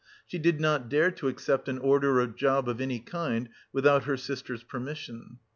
She did not dare to accept an order or job of any kind without her sister's permission.